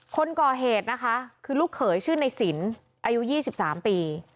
คนก่อเหตุนะคะคือลูกเขยชื่อในสินอายุ๒๓ปี